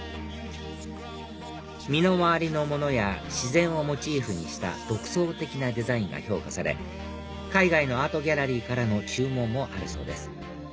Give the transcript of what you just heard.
身の回りのものや自然をモチーフにした独創的なデザインが評価され海外のアートギャラリーからの注文もあるそうです